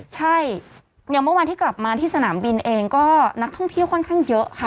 ใช่อย่างเมื่อวานที่กลับมาที่สนามบินเองก็นักท่องเที่ยวค่อนข้างเยอะค่ะ